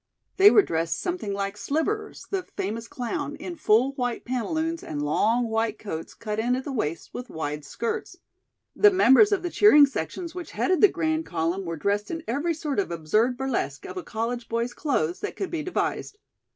They were dressed something like "Slivers," the famous clown, in full white pantaloons and long white coats cut in at the waist with wide skirts. The members of the cheering sections which headed the grand column were dressed in every sort of absurd burlesque of a college boy's clothes that could be devised.